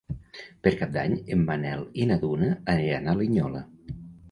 Per Cap d'Any en Manel i na Duna aniran a Linyola.